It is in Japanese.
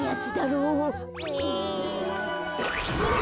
うわ！